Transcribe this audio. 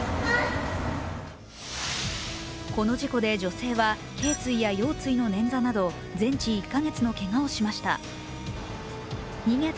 この事故で女性は、けい椎や腰椎の捻挫など全治１か月のけがをしました。